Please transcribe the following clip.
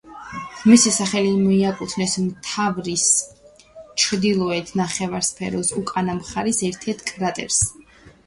მისი სახელი მიაკუთვნეს მთვარის ჩრდილოეთ ნახევარსფეროს უკანა მხარის ერთ-ერთ კრატერს.